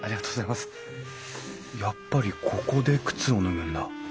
やっぱりここで靴を脱ぐんだ。